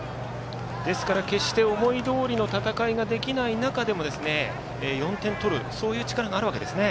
ですから、決して思いどおりの戦いができない中で４点取る力があるわけですね。